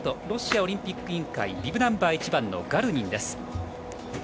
ロシアオリンピック委員会ビブナンバー１番のガルニンです。